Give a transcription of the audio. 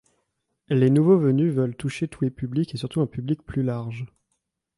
Les nouveaux venus veulent toucher tous les publics et surtout un public plus large.